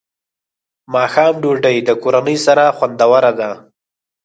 ماښام ډوډۍ د کورنۍ سره خوندوره ده.